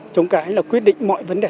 trống cái là quyết định mọi vấn đề